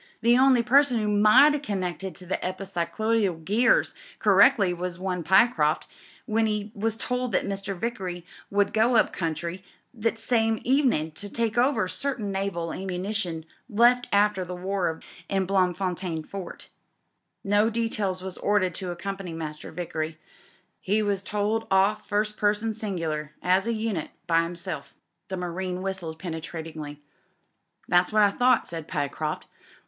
The only person 'oo might 'ave connected the epi cycloidal gears correctly was one Pyecroft, when he was told that Mr. Vickery would go up country that same evening to take over certain naval aito munition left after the war in Bloemfontein Fort. No details was ordered to accompany Master Vickery. He was told off first person singular — as a unit — ^by himself." The marine whistled penetratingly. "That's what I thought," said Pyecroft.